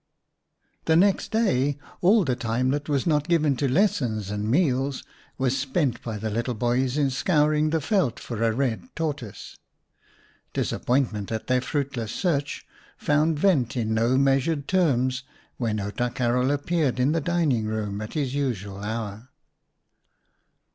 The next day all the time that was not given to lessons and meals was spent by the little boys in scouring the veld for a red tortoise. Disappointment at their fruitless search found vent in no measured terms when Outa Karel appeared in the dining room at his usual hour.